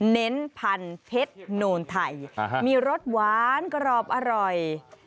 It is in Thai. เน้นพันธุ์เพชรโนนไทยมีรสหวานกรอบอร่อย